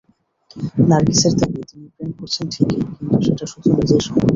নার্গিসের দাবি, তিনি প্রেম করছেন ঠিকই, কিন্তু সেটা শুধু নিজের সঙ্গে।